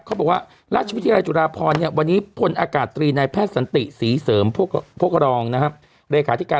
เขาบอกว่าราชวิทยาลัยจุฬาพรวันนี้ผลอากาศตรีในแพทย์สันติศรีเสริมโภกรองนะครับ